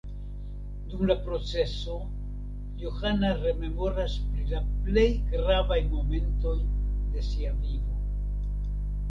Dum la proceso, Johana rememoras pri la plej gravaj momentoj de sia vivo.